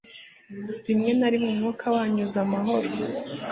Rimwe na rimwe umwuka wanyuma uza amahoro